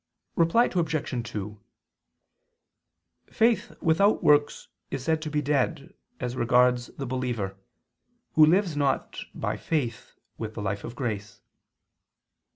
Reply Obj. 2: Faith without works is said to be dead, as regards the believer, who lives not, by faith, with the life of grace.